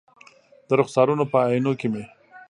د رخسارونو په آئینو کې مې